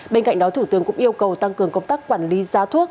bên cạnh đó thủ tướng cũng yêu cầu tăng cường công tác quản lý giá thuốc